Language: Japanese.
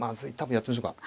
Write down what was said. やってみましょうか。